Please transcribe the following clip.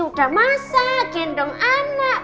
udah masak gendong anak